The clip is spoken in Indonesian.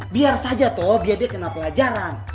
biar saja toh biar dia kena pelajaran